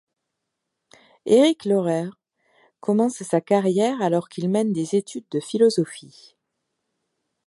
Éric Löhrer commence sa carrière alors qu'il mène des études de philosophie.